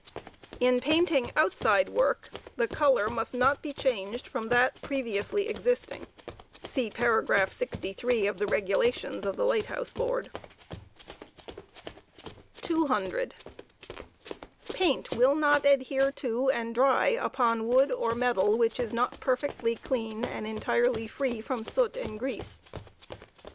In painting outside work the color must not be changed from that previously exist* ing. (See paragraph 63 of the Regulations of the Light House Board.) ' 27 Preparation for Inaidewurk. 200. Paint will not adhere to and dry upon wood or metal which is not perfectly on^iido^orik^ and entirely free from soot and grease.